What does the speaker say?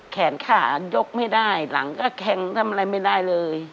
แขนขายกไม่ได้หลังก็แข็งทำอะไรไม่ได้เลย